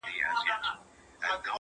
زخمي مي کوچۍ پېغلي دي د تېښتي له مزلونو؛